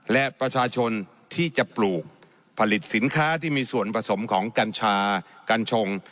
และประชาชนที่จะปลูกผลิตสินค้าที่มีส่วนผสมของกัญชากัญชง